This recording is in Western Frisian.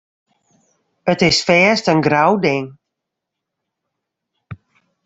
It is fêst in grou ding.